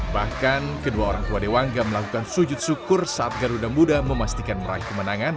bahkan kedua orang tua dewangga melakukan sujud syukur saat garuda muda memastikan meraih kemenangan